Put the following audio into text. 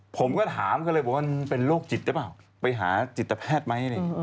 ผมเข้าเมื่อถามเขาก็เลยบอกว่าเป็นโรคจิตได้ป่าวไปหาจิตแพทย์มาให้ด้วย